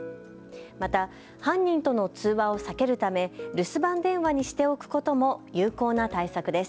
また犯人との通話を避けるため留守番電話にしておくことも有効な対策です。